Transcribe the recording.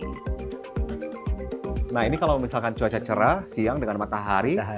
nah ini kalau misalkan cuaca cerah siang dengan matahari